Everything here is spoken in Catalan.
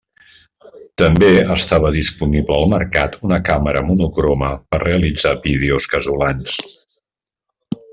També estava disponible al mercat una càmera monocroma per realitzar vídeos casolans.